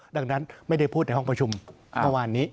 ดังนั้นไม่ได้พูดในห้องประชุมเมื่อวานนี้